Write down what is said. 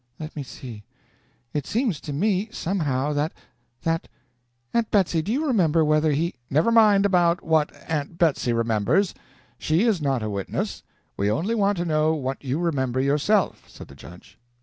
"Let me see it seems to me, somehow, that that Aunt Betsy, do you remember whether he " "Never mind about what Aunt Betsy remembers she is not a witness; we only want to know what YOU remember yourself," said the judge.